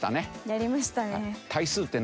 やりましたね。